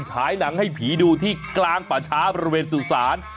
ฉายหนังให้ผีดูที่กลางป่าช้าบริเวณสุสาน